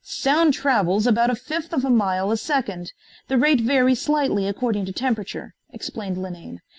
"Sound travels about a fifth of a mile a second. The rate varies slightly according to temperature," explained Linane.